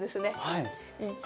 はい。